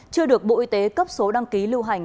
chưa được bộ y tế cấp số đăng ký lưu hành